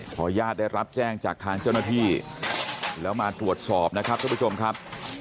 พอญาติได้รับแจ้งจากทางเจ้าหน้าที่แล้วมาตรวจสอบนะครับท่านผู้ชมครับ